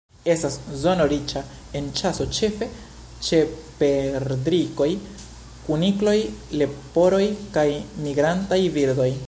Estas zono riĉa en ĉaso ĉefe ĉe perdrikoj, kunikloj, leporoj kaj migrantaj birdoj.